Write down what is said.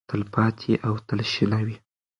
تلپاتې او تلشنه وي.